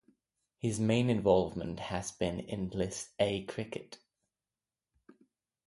His main involvement has been in List A cricket.